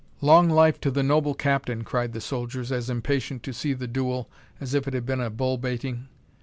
"Long life to the noble Captain!" cried the soldiers, as impatient to see the duel, as if it had been a bull baiting.